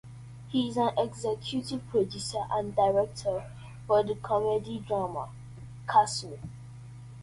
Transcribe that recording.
He is an executive producer and director for the comedy-drama "Castle".